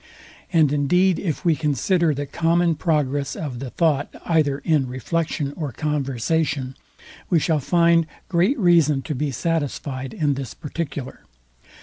And indeed if we consider the common progress of the thought, either in reflection or conversation, we shall find great reason to be satisfyed in this particular.